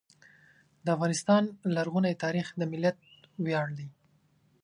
د افغانستان لرغونی تاریخ د ملت ویاړ دی.